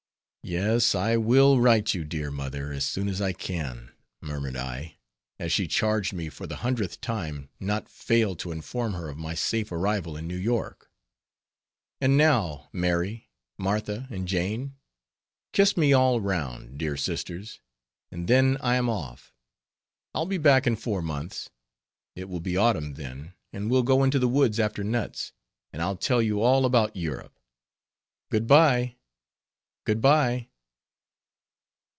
"Yes, I will write you, dear mother, as soon as I can," murmured I, as she charged me for the hundredth time, not fail to inform her of my safe arrival in New York. "And now Mary, Martha, and Jane, kiss me all round, dear sisters, and then I am off. I'll be back in four months—it will be autumn then, and we'll go into the woods after nuts, an I'll tell you all about Europe. Good by! good by!"